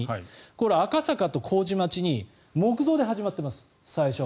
これ、赤坂と麹町に最初は木造で始まってます。